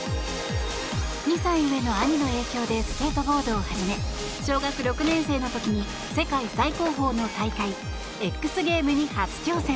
２歳上の兄の影響でスケートボードを始め小学６年生の時に世界最高峰の大会Ｘゲームに初挑戦。